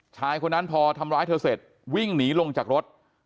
ชายคนนั้นพอทำร้ายเธอเสร็จวิ่งหนีลงจากรถ